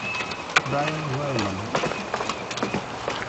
Brian Wellman